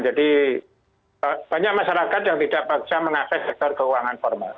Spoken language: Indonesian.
jadi banyak masyarakat yang tidak paksa mengakses dekat keuangan formal